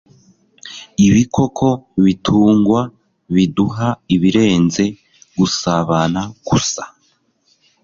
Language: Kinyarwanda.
Ibikoko bitungwa biduha ibirenze gusabana gusa